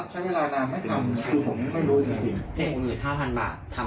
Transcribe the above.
หน้าไม่มีปัญหาค่ะ